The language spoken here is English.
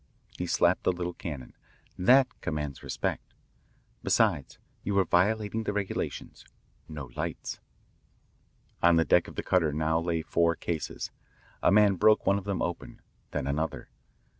He slapped the little cannon. "That commands respect. Besides, you were violating the regulations no lights." On the deck of the cutter now lay four cases. A man broke one of them open, then another.